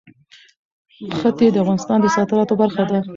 ښتې د افغانستان د صادراتو برخه ده.